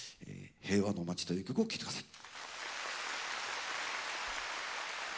「平和の街」という曲を聴いて下さい。